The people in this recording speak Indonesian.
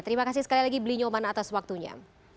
terima kasih sekali lagi blinyoman atas waktunya